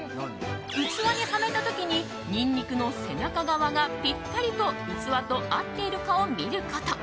器にはめた時にニンニクの背中側がぴったりと器と合っているかを見ること。